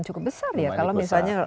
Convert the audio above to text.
cukup besar ya kalau misalnya